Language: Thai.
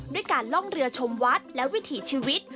ด้วยการล่องเรือชมวัดและวิถีชีวิต